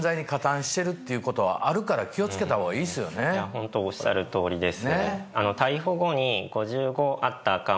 ホントおっしゃるとおりです。